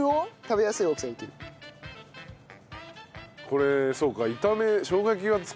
これそうか。